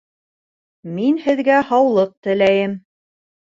Мин һеҙгә һаулыҡ теләйем